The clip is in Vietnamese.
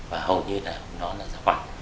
và hầu như là nó là giá khoản